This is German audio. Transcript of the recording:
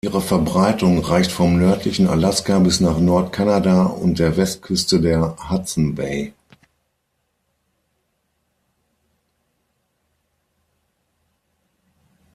Ihre Verbreitung reicht vom nördlichen Alaska bis nach Nordkanada und der Westküste der Hudson-Bay.